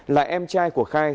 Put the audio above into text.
là em trai của khai